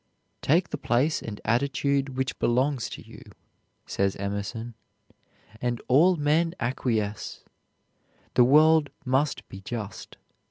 "Take the place and attitude which belong to you," says Emerson, "and all men acquiesce. The world must be just.